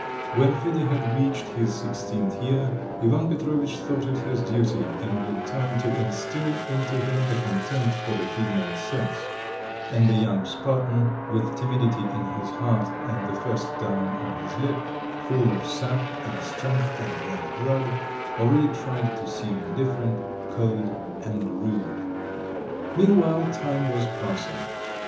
When Fedya had reached his sixteenth year, Ivan Petrovitch thought it his duty in good time to instil into him a contempt for the female sex; and the young Spartan, with timidity in his heart and the first down on his lip, full of sap and strength and young blood, already tried to seem indifferent, cold, and rude. Meanwhile time was passing.